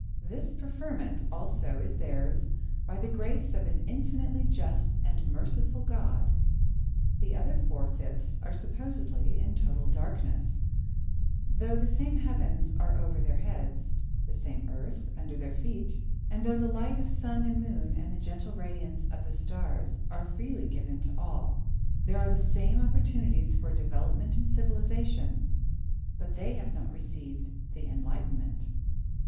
This preferment, also, is theirs by the grace of an infinitely just and merciful God. The other four fifths are supposedly in total darkness, though the same heavens are over their heads, the same earth under their feet, and though the light of sun and moon and the gentle radiance of the stars are freely given to all. There are the same opportunities for development and civilisation, but they have not received The Enlightenment.